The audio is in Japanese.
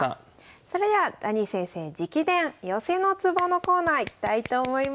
それでは「ダニー先生直伝！寄せのツボ」のコーナーいきたいと思います。